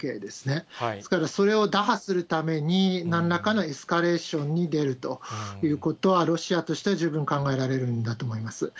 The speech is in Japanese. ですから、それを打破するために、なんらかのエスカレーションに出るということは、ロシアとしては十分考えられるんだろうと思います。